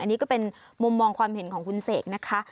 อันนี้ก็เป็นมุมมองความเห็นของคุณเสกนะคะ